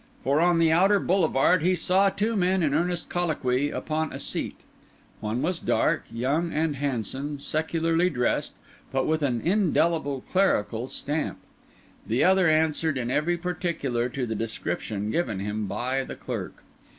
For on the outer boulevard he saw two men in earnest colloquy upon a seat. One was dark, young, and handsome, secularly dressed, but with an indelible clerical stamp; the other answered in every particular to the description given him by the clerk.